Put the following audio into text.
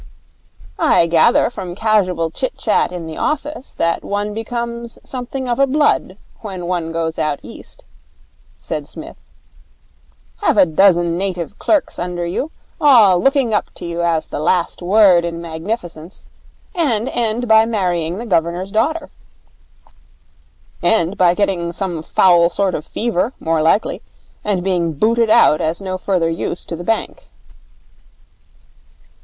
'I gather from casual chit chat in the office that one becomes something of a blood when one goes out East,' said Psmith. 'Have a dozen native clerks under you, all looking up to you as the Last Word in magnificence, and end by marrying the Governor's daughter.' 'End by getting some foul sort of fever, more likely, and being booted out as no further use to the bank.'